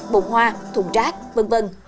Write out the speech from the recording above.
bồn hoa thùng rác v v